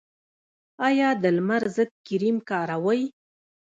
ایا د لمر ضد کریم کاروئ؟